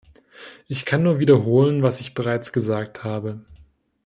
Ich kann nur wiederholen, was ich bereits gesagt habe.